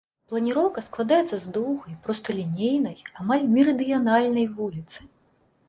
Планіроўка складаецца з доўгай, просталінейнай, амаль мерыдыянальнай вуліцы.